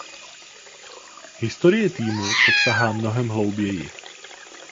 Historie týmu však sahá mnohem hlouběji.